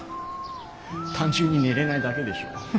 単純に寝れないだけでしょ。